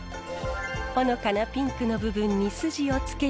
ほのかなピンクの部分に筋をつけると。